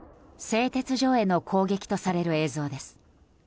製鉄所への攻撃とされる映像です。